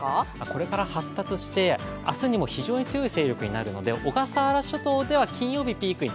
これから発達して明日にも非常に強い勢力になるので小笠原諸島では金曜日、ピークに。